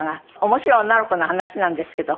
面白い女の子の話なんですけど。